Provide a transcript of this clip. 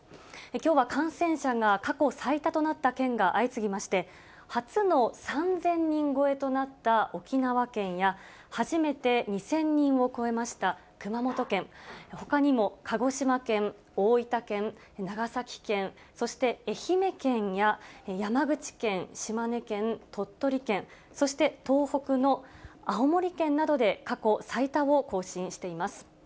きょうは感染者が過去最多となった県が相次ぎまして、初の３０００人超えとなった沖縄県や、初めて２０００人を超えました熊本県、ほかにも鹿児島県、大分県、長崎県、そして愛媛県や山口県、島根県、鳥取県、そして東北の青森県などで過去最多を更新しています。